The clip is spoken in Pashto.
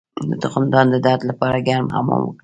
د تخمدان د درد لپاره ګرم حمام وکړئ